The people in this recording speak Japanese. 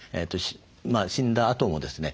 死んだあともですね